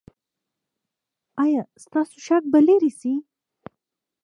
ایا ستاسو شک به لرې شي؟